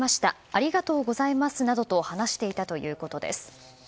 ありがとうございますなどと話していたということです。